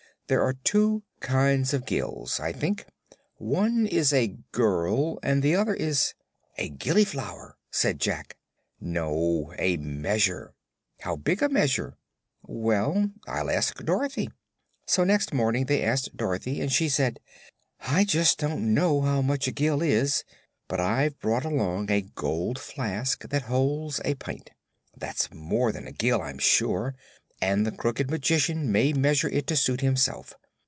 "There are two kinds of gills, I think; one is a girl, and the other is " "A gillyflower," said Jack. "No; a measure." "How big a measure?" "Well, I'll ask Dorothy." So next morning they asked Dorothy, and she said: "I don't just know how much a gill is, but I've brought along a gold flask that holds a pint. That's more than a gill, I'm sure, and the Crooked Magician may measure it to suit himself.